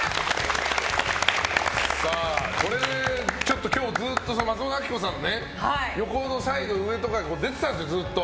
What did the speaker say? これ、今日ずっと松本明子さんのサイド上とかに出てたんですよ、ずっと。